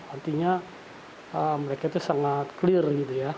artinya mereka itu sangat clear gitu ya